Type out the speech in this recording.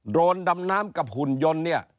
รนดำน้ำกับหุ่นยนต์เนี่ย